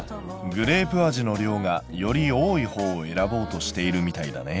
グレープ味の量がより多いほうを選ぼうとしているみたいだね。